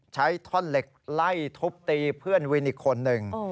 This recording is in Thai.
ใช้ท่อนเหล็กไล่ทุบตีเพื่อนวินอีกคนหนึ่ง